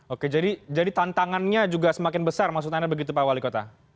oke jadi tantangannya juga semakin besar maksud anda begitu pak wali kota